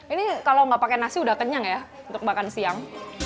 ini kalau nggak pakai nasi sudah kenyang ya untuk makan siang